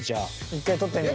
１回取ってみよ。